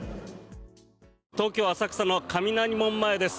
東京・浅草の雷門前です。